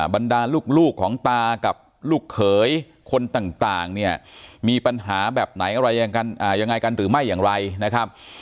บรรดาลูกของตากับลูกเขยคนต่างเนี่ยมีปัญหาแบบไหนอะไรยังไงกันหรือไม่อย่างไรนะครับ